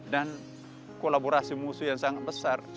dan kolaborasi musuh yang sangat besar